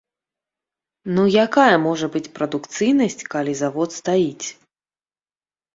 Ну якая можа быць прадукцыйнасць, калі завод стаіць?